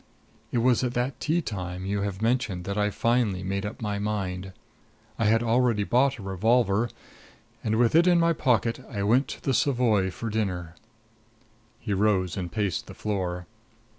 It was at that tea time you have mentioned when I finally made up my mind. I had already bought a revolver; and, with it in my pocket, I went to the Savoy for dinner." He rose and paced the floor.